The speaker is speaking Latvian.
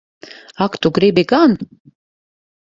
Ak tu gribi gan!